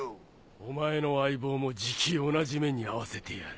お前の相棒もじき同じ目に遭わせてやる。